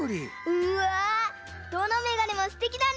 うわどのめがねもステキだね！